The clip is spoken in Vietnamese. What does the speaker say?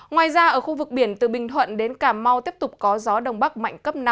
ngoài ra ở khu vực biển từ bình thuận đến cà mau tiếp tục có gió đông bắc mạnh cấp năm